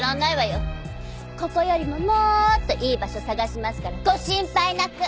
ここよりももーっといい場所探しますからご心配なく。